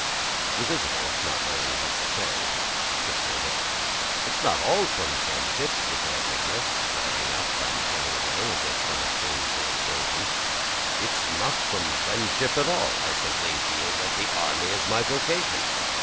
The visitor, not knowing what to say, shook her head. "It's not at all from friendship," declared Nicholas, flaring up and turning away as if from a shameful aspersion. "It is not from friendship at all; I simply feel that the army is my vocation."